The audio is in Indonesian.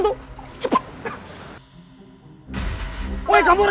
buat pajak ribut